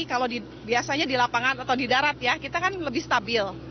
kalau biasanya di lapangan atau di darat ya kita kan lebih stabil